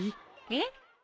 えっ？